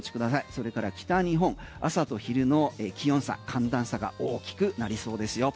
それから北日本朝と昼の気温差、寒暖差が大きくなりそうですよ。